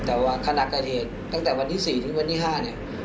แต่ว่าขณะเกิดเหตุตั้งแต่วันที่๔ถึงวันที่๕เนี่ย